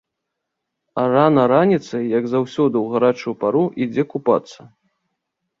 А рана раніцай, як заўсёды ў гарачую пару, ідзе купацца.